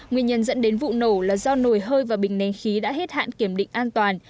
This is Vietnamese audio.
nguyên nhân dẫn đến vụ nổ là do nồi hơi và bình nén khí đã hết hạn kiểm định an toàn